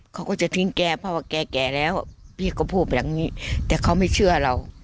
เขาก็จะทิ้งแกเพราะว่าแกแก่แล้วพี่ก็พูดไปอย่างนี้แต่เขาไม่เชื่อเรา